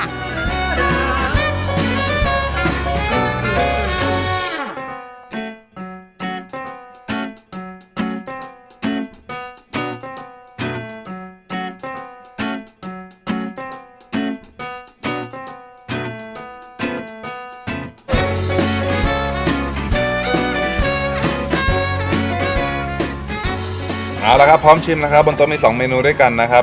อ่าแล้วครับพร้อมชิมนะครับบนต้นมีสองเมนูด้วยกันนะครับ